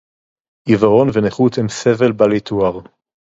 עיוורון ונכות הם סבל בל יתואר